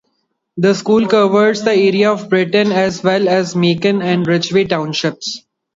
The school covers the area of Britton, as well as Macon and Ridgeway Townships.